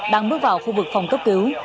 đang bước vào khu vực phòng cấp cứu